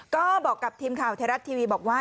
ก็บอกกับทีมข่าวไทยรัฐทีวีบอกว่า